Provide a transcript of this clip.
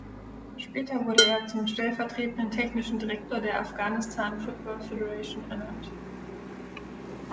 Später wurde er zum stellvertretenden Technischen Direktor der Afghanistan Football Federation ernannt.